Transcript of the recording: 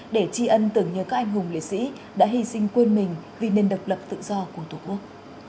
để tri ân tưởng nhớ các anh hùng lễ sĩ đã hy sinh quên mình vì nền độc lập tự do của tổ quốc